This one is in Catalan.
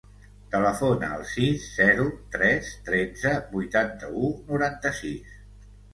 Telefona al sis, zero, tres, tretze, vuitanta-u, noranta-sis.